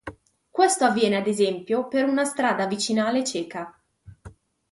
Questo avviene ad esempio per una strada vicinale cieca.